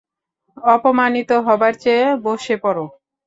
অপমানিত হবার চেয়ে, বসে পড়ো।